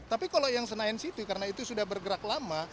tapi kalau yang senayan situ karena itu sudah bergerak lama